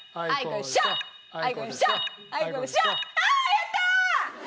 やったー！